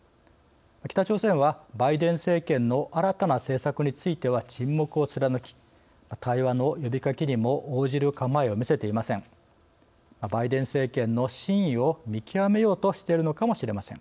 北朝鮮は、バイデン政権の新たな政策については沈黙を貫き対話の呼びかけにも応じる構えを見せていません。